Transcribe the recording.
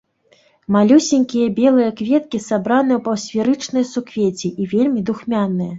Малюсенькія белыя кветкі сабраны ў паўсферычныя суквецці і вельмі духмяныя.